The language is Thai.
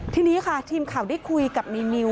ทีนี้ค่ะทีมข่าวได้คุยกับในนิว